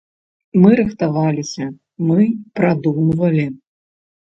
Мы рыхтаваліся, мы прадумвалі.